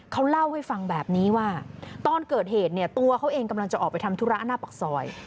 เขาเล่าให้ฟังแบบนี้ว่าตอนเกิดเหตุเนี่ยตัวเขาเองกำลังจะออกไปทำธุระหน้าปากซอย